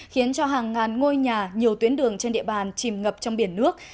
khiến cho hàng ngàn ngôi nhà nhiều tuyến đường trên địa bàn chìm ngập trong biển nước